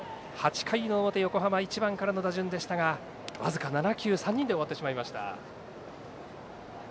８回の表、横浜１番からの打順でしたが僅か７球３人で終わってしまいました。